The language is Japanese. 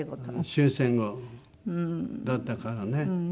終戦後だったからね。